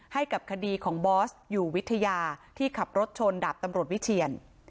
ให้กับคดีของบอสอยู่วิทยาที่ขับรถชนดับตำรวจวิเชียน